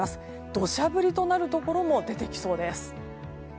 土砂降りとなるところも出てきそうです。